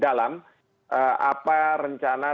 dalam apa rencana